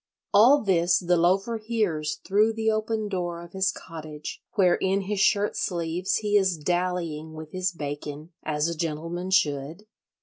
All this the Loafer hears through the open door of his cottage, where in his shirt sleeves he is dallying with his bacon, as a gentleman should.